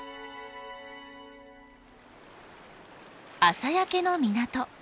朝焼けの港。